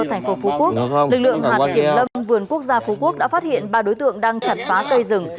thành phố phú quốc lực lượng hạt kiểm lâm vườn quốc gia phú quốc đã phát hiện ba đối tượng đang chặt phá cây rừng